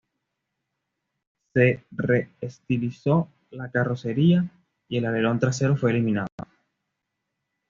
Se re-estilizó la carrocería y el alerón trasero fue eliminado.